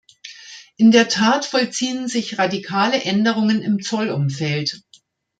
In der Tat vollziehen sich radikale Änderungen im Zollumfeld.